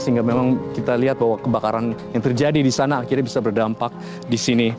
sehingga memang kita lihat bahwa kebakaran yang terjadi di sana akhirnya bisa berdampak di sini